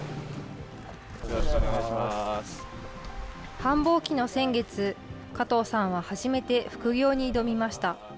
繁忙期の先月、加藤さんは初めて副業に挑みました。